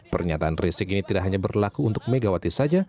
pernyataan rizik ini tidak hanya berlaku untuk megawati saja